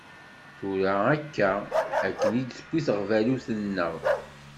Tura akka, akken i d-tewwi teɣbalut-nneɣ.